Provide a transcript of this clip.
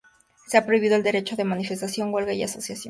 Se prohibió el derecho de manifestación, huelga y asociación.